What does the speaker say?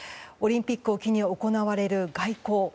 オリンピックを機に行われる外交。